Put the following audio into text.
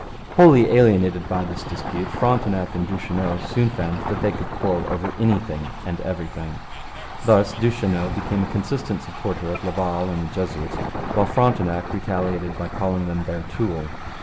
Wholly alienated by this dispute, Frontenac and Duchesneau soon found that they could quarrel over anything and everything. Thus Duchesneau became a consistent supporter of Laval and the Jesuits, while Frontenac retaliated by calling him their tool.